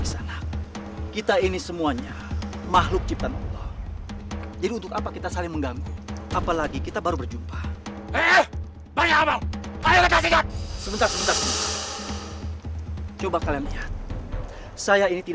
sampai jumpa di video selanjutnya